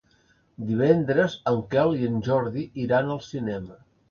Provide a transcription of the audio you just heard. Divendres en Quel i en Jordi iran al cinema.